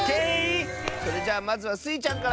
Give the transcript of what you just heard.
それじゃあまずはスイちゃんから！